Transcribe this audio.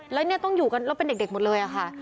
แล้วเนี่ยต้องอยู่กันแล้วเป็นเด็กหมดเลยอะค่ะ